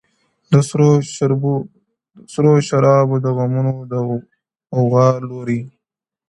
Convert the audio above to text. د سرو شرابو د خُمونو د غوغا لوري”